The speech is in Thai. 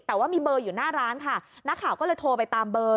แต่ว่ามีเบอร์อยู่หน้าร้านค่ะนักข่าวก็เลยโทรไปตามเบอร์